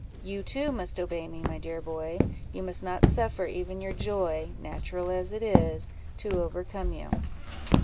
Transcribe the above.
You too must obey me, my dear boy; you must not suffer even your joy (natural as it is) to overcome you."